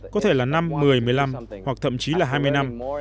có thể là năm một mươi một mươi năm hoặc thậm chí là hai mươi năm